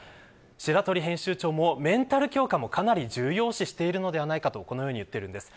白鳥編集長も、メンタル強化もかなり重要視しているのではと言っています。